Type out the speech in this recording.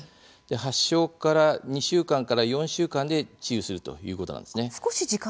発症から２週間から４週間で治癒するということなんですね。